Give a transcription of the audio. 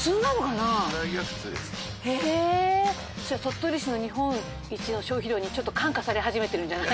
へぇじゃあ鳥取市の日本一の消費量にちょっと感化され始めてるんじゃない？